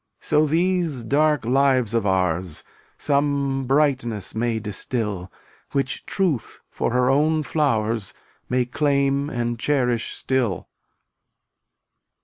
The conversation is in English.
So these dark lives of ours Some brightness may distil, Which Truth for her own flowers May claim and cherish still.